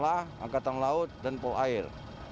angkatan laut dan pol air